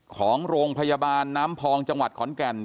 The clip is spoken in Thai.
ของโรงพยาบาลน้ำพองจังหวัดขอนแก่น